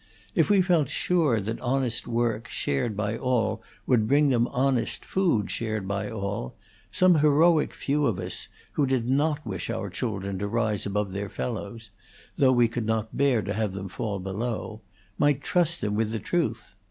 If we felt sure that honest work shared by all would bring them honest food shared by all, some heroic few of us, who did not wish our children to rise above their fellows though we could not bear to have them fall below might trust them with the truth.